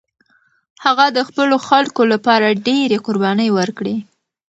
هغه د خپلو خلکو لپاره ډېرې قربانۍ ورکړې.